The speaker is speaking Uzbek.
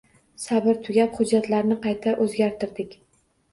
Sabr tugab, hujjatlarni qayta oʻzgartirdik.